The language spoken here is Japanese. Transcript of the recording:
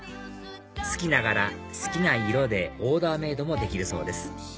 好きな柄好きな色でオーダーメイドもできるそうです